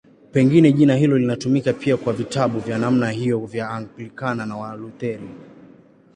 Pengine jina hilo linatumika pia kwa vitabu vya namna hiyo vya Anglikana na Walutheri.